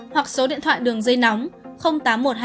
hoặc số điện thoại đường dây nóng